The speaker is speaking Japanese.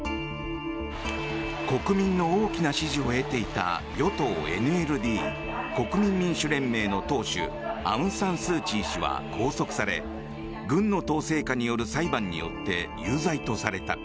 国民の大きな支持を得ていた与党ＮＬＤ・国民民主連盟の党首アウンサンスーチー氏は拘束され軍の統制下による裁判によって有罪とされた。